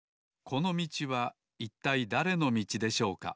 このみちはいったいだれのみちでしょうか？